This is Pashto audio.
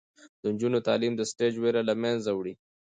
د نجونو تعلیم د سټیج ویره له منځه وړي.